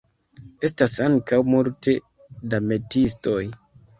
Estas ankaŭ multe da metiistoj.